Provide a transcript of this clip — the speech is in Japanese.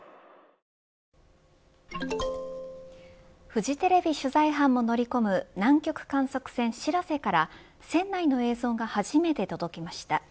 フジテレビ取材班も乗り込む南極観測船しらせから船内の映像が初めて届きました。